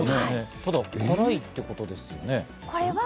ただ辛いって事ですよね。